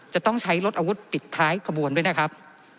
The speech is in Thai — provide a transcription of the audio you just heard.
จะต้องใช้รถอาวุธปิดท้ายขบวนด้วยนะครับ